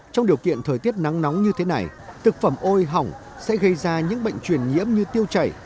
trong điều kiện thời tiết nắng nóng như thế này thực phẩm ôi hỏng sẽ gây ra những bệnh truyền nhiễm như tiêu chảy